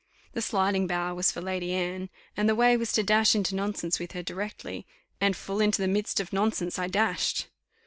The sliding bow was for Lady Anne, and the way was to dash into nonsense with her directly, and full into the midst of nonsense I dashed.